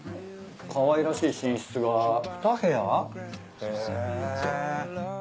かわいらしい寝室が２部屋？へ。